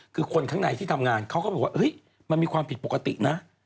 คือคนข้างในที่ทำงานเขาก็บอกว่ามันมีความผิดปกตินะ